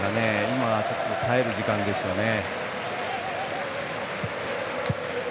今はちょっと耐える時間ですよね。